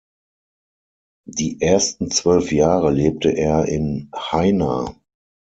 Die ersten zwölf Jahre lebte er in Haina.